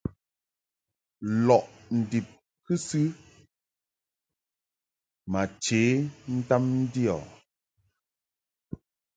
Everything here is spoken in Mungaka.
Lɔʼ ndib kɨsɨ ma che ntam ndio.